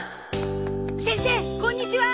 先生こんにちは。